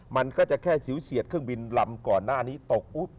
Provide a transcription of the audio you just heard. มันก็จะแค่ฉิวเฉียดเครื่องบินลำก่อนหน้านี้ตกปุ๊บ